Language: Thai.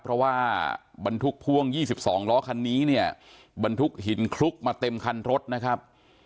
เพราะว่าบรรทุกพ่วง๒๒ล้อคันนี้เนี่ยบรรทุกหินคลุกมาเต็มคันรถนะครับ